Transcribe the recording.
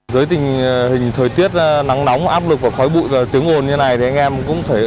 giới tình hình thời tiết nắng nóng áp lực và khói bụi và tiếng ồn như thế này thì anh em cũng thấy